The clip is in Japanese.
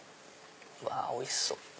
うわおいしそう！